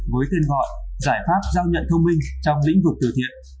với tên gọi giải pháp giao nhận thông minh trong lĩnh vực từ thiện